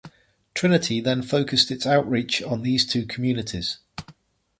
Trinity then focused its outreach on these two communities.